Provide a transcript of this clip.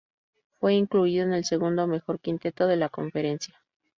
Fue incluido en el segundo mejor quinteto de la conferencia.